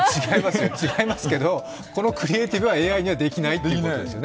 違いますけど、このクリエーティブはＡＩにはできないってことですよね。